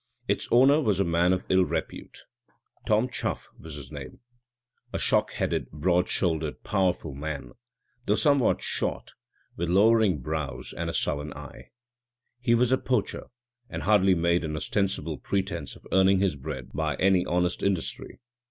Its owner was a man of ill repute. Tom Chuff was his name. A shock headed, broad shouldered, powerful man, though somewhat short, with lowering brows and a sullen eye. He was a poacher, and hardly made an ostensible pretence of earning his bread by any honest industry.